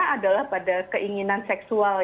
adalah pada keinginan seksual